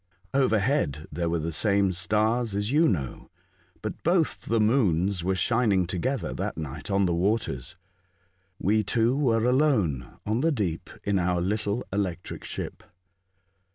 Overhead there were the same stars as you know, but both the moons were shining together that night on the waters. We two were alone on the deep in our little electric ship.